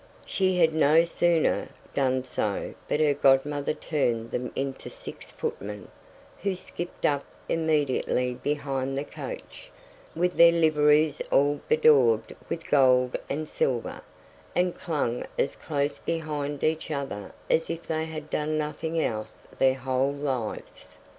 She had no sooner done so but her godmother turned them into six footmen, who skipped up immediately behind the coach, with their liveries all bedaubed with gold and silver, and clung as close behind each other as if they had done nothing else their whole lives.